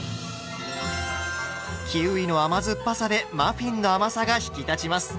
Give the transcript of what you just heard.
キウイの甘酸っぱさでマフィンの甘さが引き立ちます。